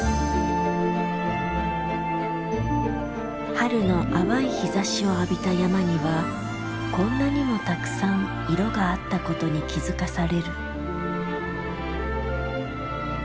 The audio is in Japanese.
春の淡い日ざしを浴びた山にはこんなにもたくさん色があったことに気付かされる。